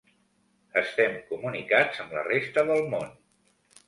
Estem comunicats amb la resta del món.